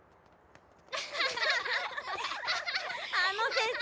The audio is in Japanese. あの先生